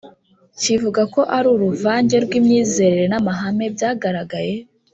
kivuga ko ari uruvange rw’imyizerere n’amahame byagaragaye